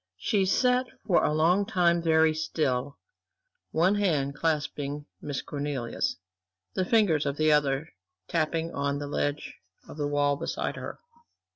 She sat for a long time very still, one hand clasping Miss Cornelia's, the fingers of the other tapping on the ledge of the wall beside her.